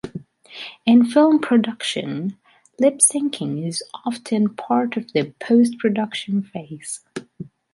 In film production, lip synching is often part of the post-production phase.